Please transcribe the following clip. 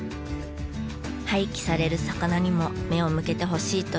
廃棄される魚にも目を向けてほしいという野口さん。